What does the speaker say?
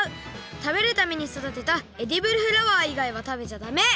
食べるために育てたエディブルフラワー以外は食べちゃダメ！